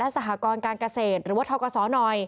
และสหกรการเกษตรหรือว่าท้อกสน